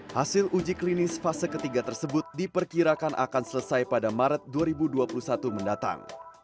hasil uji klinis fase ketiga tersebut diperkirakan akan selesai pada maret dua ribu dua puluh satu mendatang